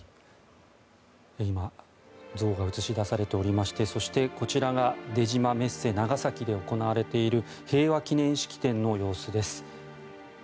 今像が映し出されておりましてこちらが出島メッセ長崎で行われている平和祈念式典の様子です。